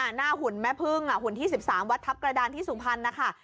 หน้าหุ่นแม่พึ่งหุ่นที่๑๓วัดทัพกระดานที่สุพรรณนะคะ